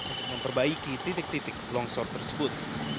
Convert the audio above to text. untuk memperbaiki titik titik longsor tersebut